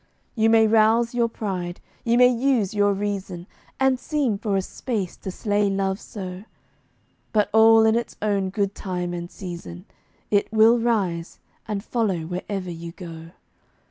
You may rouse your pride, you may use your reason. And seem for a space to slay Love so; But, all in its own good time and season, It will rise and follow wherever you go.